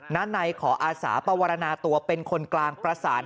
นายขออาศาปวรรณาตัวเป็นคนกลางประสาน